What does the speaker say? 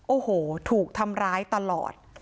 โอ้โหถูกทำร้ายตลอด